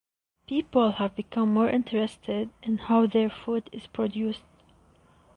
People have become more interested in how their food is produced.